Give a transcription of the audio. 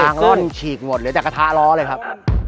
ยางร่อนฉีกหมดเลยแต่กระทะล้อเลยครับ